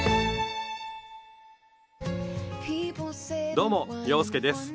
どうも洋輔です。